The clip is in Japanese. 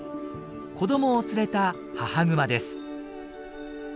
子どもを連れた母グマです。